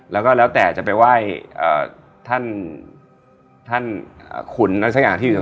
แล้วก็แล้วแต่จะไปไหว้ท่านท่านขุนอะไรสักอย่างที่อยู่